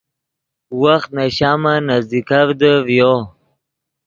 وخت نے شامن نزدیکڤدے ڤیو